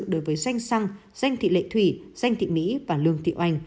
đối với danh xăng danh thị lệ thủy danh thị mỹ và lương thị oanh